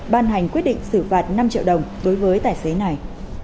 ban hành quyết định xử phạt năm triệu đồng đối với tài xế này